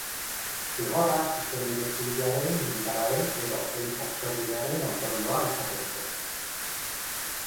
Zigorra zuzenbide zibilaren, militarraren edo eliza zuzenbidearen ondorioa izaten zen.